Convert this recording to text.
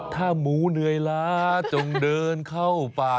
ถ้าหมูเหนื่อยล้าจงเดินเข้าป่า